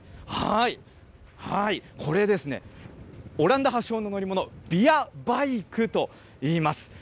はい、はい、これですね、オランダ発祥の乗り物、ビアバイクといいます。